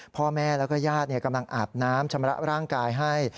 พ่อแม่แล้วก็ญาติกำลังอาบน้ำชำระร่างกายให้